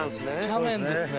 斜面ですね。